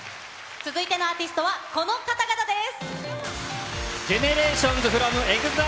続いてのアーティストは、この方々です。